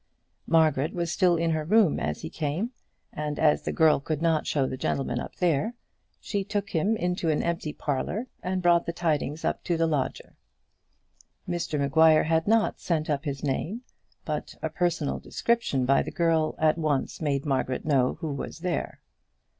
Margaret was still in her room as he came, and as the girl could not show the gentleman up there, she took him into an empty parlour, and brought the tidings up to the lodger. Mr Maguire had not sent up his name; but a personal description by the girl at once made Margaret know who was there.